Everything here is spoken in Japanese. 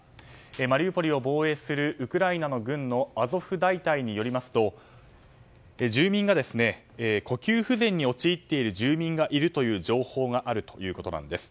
マリウポリを防衛するウクライナの軍のアゾフ大隊によりますと住民が呼吸不全に陥っている住民がいるという情報があるということです。